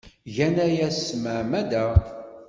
Gan aya s tmeɛmada.